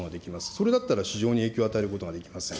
それだったら市場に影響を与えることができません。